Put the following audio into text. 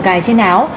cài trên áo